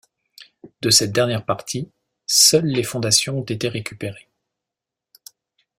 De cette dernière partie, seules les fondations ont été récupérées.